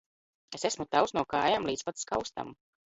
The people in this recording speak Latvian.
Es esmu tavs no kājām līdz pat skaustam.